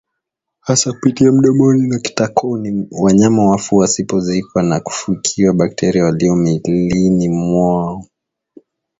hasa kupitia mdomoni na kitakoni Wanyama wafu wasipozikwa na kufukiwa bakteria walio miilini mwao